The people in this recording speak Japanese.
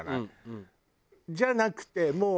じゃなくてもう。